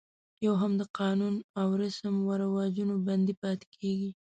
یو هم د قانون او رسم و رواجونو بندي پاتې کېږي.